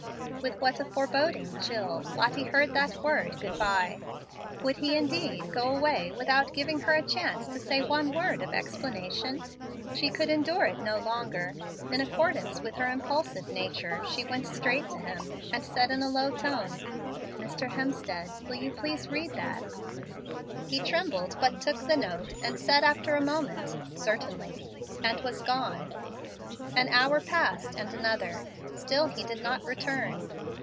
With what a foreboding chill Lottie heard that word "good by"! Would he, indeed, go away without giving her a chance to say one word of explanation? She could endure it no longer. In accordance with her impulsive nature, she went straight to him, and said in a low tone, "Mr. Hemstead, will you please read that?" He trembled, but took the note, and said, after a moment, "Certainly," and was gone. An hour passed, and another; still he did not return.